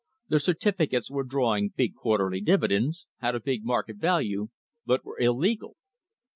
The certificates were drawing big quarterly dividends, had a big market value, but were illegal.